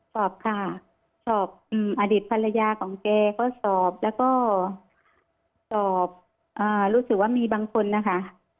สอบค่ะสอบอดีตภรรยาของแกก็สอบแล้วก็สอบรู้สึกว่ามีบางคนนะคะ